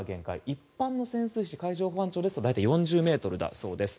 一般の潜水士、海上保安庁ですと大体４０ｍだそうです。